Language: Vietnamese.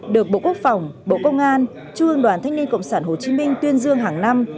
được bộ quốc phòng bộ công an trung ương đoàn thanh niên cộng sản hồ chí minh tuyên dương hàng năm